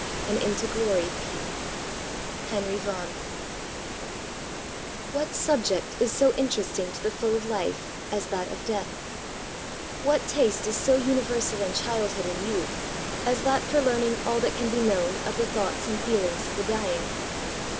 And into glory peep." HnvBY Yauohait. What subject is so interestdng to the fiill of life as that of death ? What taste is so tmiversal in childhood and youth as that for learning all that can be known of the thoughts and feelings of the dying